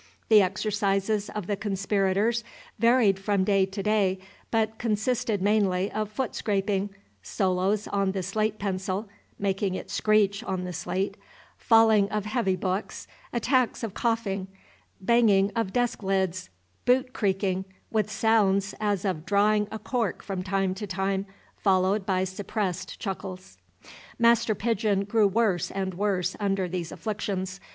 The exercises of the conspirators varied from day to day, but consisted mainly of foot scraping, solos on the slate pencil, (making it screech on the slate,) falling of heavy books, attacks of coughing, banging of desk lids, boot creaking, with sounds as of drawing a cork from time to time, followed by suppressed chuckles. Master Pigeon grew worse and worse under these inflictions.